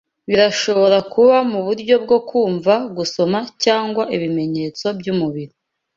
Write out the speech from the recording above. Birashobora kuba muburyo bwo kumva gusoma cyangwa ibimenyetso byumubiri